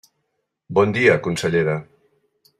Bon dia, consellera.